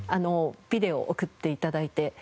ビデオを送って頂いて。